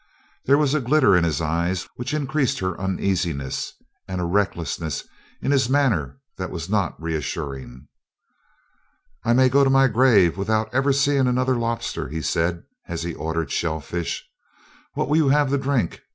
There was a glitter in his eyes which increased her uneasiness, and a recklessness in his manner that was not reassuring. "I may go to my grave without ever seeing another lobster," he said as he ordered shellfish. "What will you have to drink?"